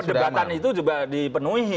pedebatan itu juga dipenuhi